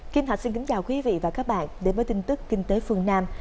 kính thưa quý vị và các bạn đến với tin tức kinh tế phương nam